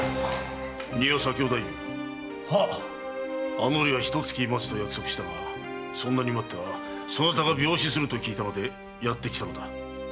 あの折はひと月待つと約束したがそんなに待ってはそなたが病死すると聞いたのでやってきたのだ。